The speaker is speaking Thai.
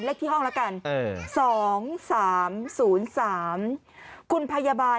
เลขที่ห้องแล้วกัน๒๓๐๓คุณพยาบาล